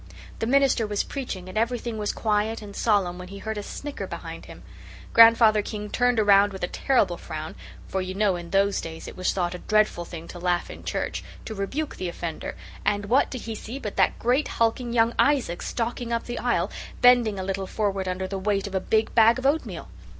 The minister was preaching and everything was quiet and solemn when he heard a snicker behind him. Grandfather King turned around with a terrible frown for you know in those days it was thought a dreadful thing to laugh in church to rebuke the offender; and what did he see but that great, hulking young Isaac stalking up the aisle, bending a little forward under the weight of a big bag of oatmeal?